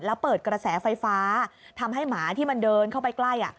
แล้วเปิดกระแสไฟฟ้าทำให้หมาที่มันเดินเข้าไปใกล้